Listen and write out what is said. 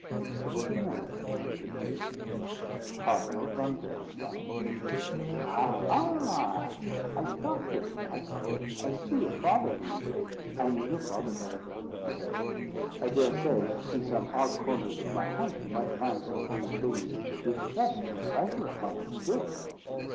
"What is your name?" he continued. "Cosmo von Wehrstahl." "Ah, ah! I thought as much. I see your father in you. I knew your father very well, young sir. I dare say in some odd corners of my house, you might find some old things with his crest and cipher upon them still.